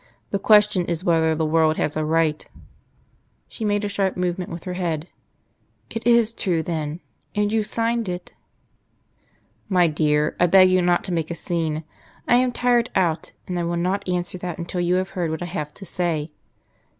"The question is, whether the world has a right " She made a sharp movement with her head. "It is true then. And you signed it?" "My dear, I beg you not to make a scene. I am tired out. And I will not answer that until you have heard what I have to say."